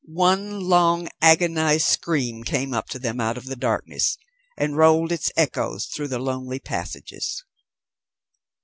One long agonized scream came up to them out of the darkness, and rolled its echoes through the lonely passages.